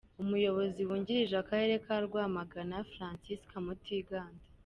Umuyobozi wungirije w’akarere ka Rwamagana, Francisca Mutiganda.